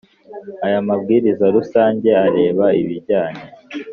Aya mabwiriza rusange areba ibijyanye